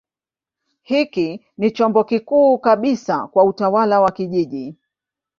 Hiki ni chombo kikuu kabisa cha utawala wa kijiji.